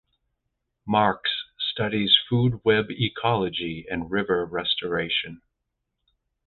Marks studies food web ecology and river restoration.